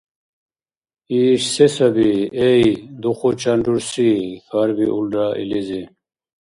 — Иш се саби, эй, духучан рурси? — хьарбиулра илизи.